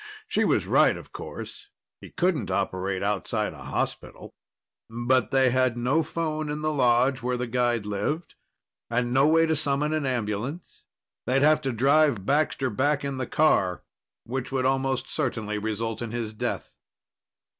She was right, of course. He couldn't operate outside a hospital. But they had no phone in the lodge where the guide lived and no way to summon an ambulance. They'd have to drive Baxter back in the car, which would almost certainly result in his death.